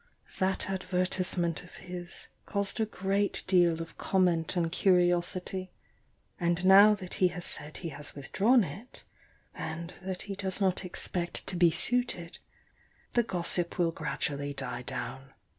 That advertisement of his caused a great ded of comment and curiosity, — and now that ho has said he has withdrawn it and that he does not expect to be suited, the gossip will gradually die down.